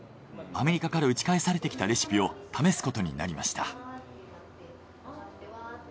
アメリカから打ち返されてきたレシピを試すことになりました。